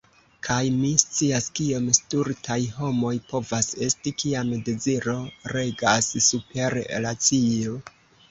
Kaj mi scias kiom stultaj homoj povas esti, kiam deziro regas super racio....